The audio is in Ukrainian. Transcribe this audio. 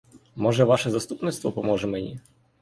Може ваше заступництво поможе мені?